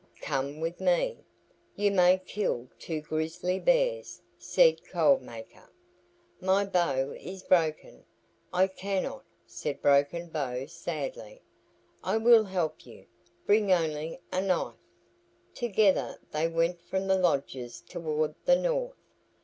"Come with me. You may kill two grizzly bears," said Cold Maker. "My bow is broken. I cannot," said Broken Bow sadly. "I will help you. Bring only a knife." Together they went from the lodges toward the north.